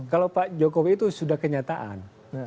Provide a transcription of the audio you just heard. kalau pak jokowi itu sudah kenyataan